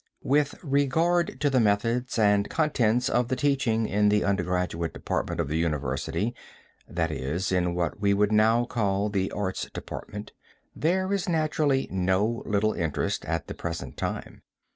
With regard to the methods and contents of the teaching in the undergraduate department of the university, that is, in what we would now call the arts department, there is naturally no little interest at the present time.